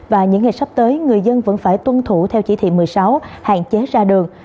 và những ngày sắp tới người dân vẫn phải tuân thủ theo chỉ thị một mươi sáu hạn chế ra đường